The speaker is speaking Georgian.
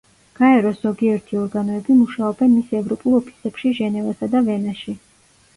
გაეროს ზოგიერთი ორგანოები მუშაობენ მის ევროპულ ოფისებში ჟენევასა და ვენაში.